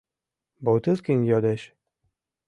— Бутылкин йодеш.